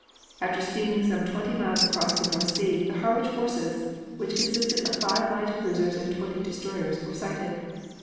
After steaming some twenty miles across the North Sea, the Harwich forces, which consisted of five light cruisers and twenty destroyers, were sighted.